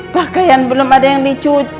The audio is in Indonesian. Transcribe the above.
pakaian belum ada yang dicuci